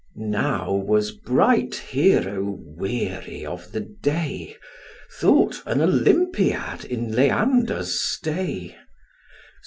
Now was bright Hero weary of the day, Thought an Olympiad in Leander's stay.